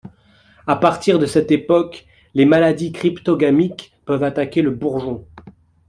À partir de cette époque, les maladies cryptogamiques peuvent attaquer le bourgeon.